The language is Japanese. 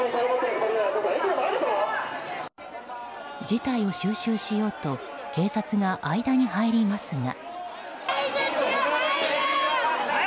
事態を収拾しようと警察が間に入りますが。